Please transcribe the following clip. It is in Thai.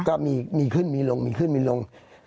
ก็มีขึ้นมีลงมีขึ้นมีลง